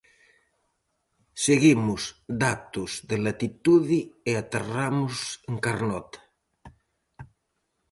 Seguimos datos de latitude e aterramos en Carnota.